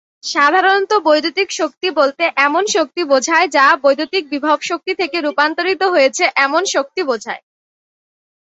সাধারণত বৈদ্যুতিক শক্তি বলতে এমন শক্তি বোঝায় যা বৈদ্যুতিক বিভবশক্তি থেকে রূপান্তরিত হয়েছে এমন শক্তি বোঝায়।